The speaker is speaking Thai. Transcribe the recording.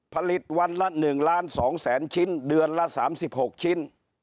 ผลิตวันละ๑ล้าน๒แสนชิ้นเดือนละ๓๖ชิ้น